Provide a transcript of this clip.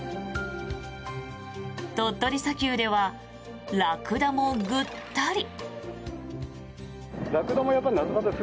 鳥取砂丘ではラクダもぐったり。